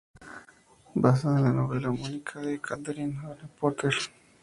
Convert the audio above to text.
Basada en la novela homónima de Katherine Anne Porter.